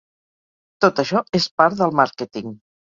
Tot això és part del màrqueting.